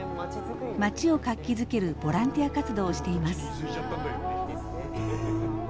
町を活気づけるボランティア活動をしています。